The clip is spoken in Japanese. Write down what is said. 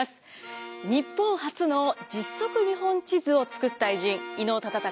日本初の実測日本地図を作った偉人伊能忠敬